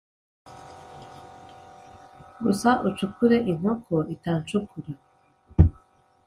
gusa ucukure inkoko itancukura